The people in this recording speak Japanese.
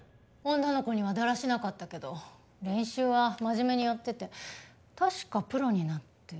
女の子にはだらしなかったけど練習は真面目にやってて確かプロになって。